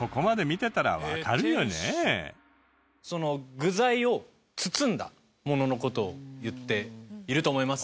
具材を包んだものの事をいっていると思います。